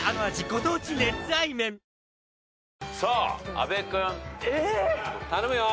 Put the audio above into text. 阿部君。頼むよ。